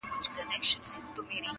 دا د کهف د اصحابو د سپي خپل دی.